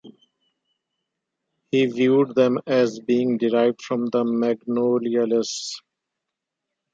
He viewed them as being derived from the Magnoliales.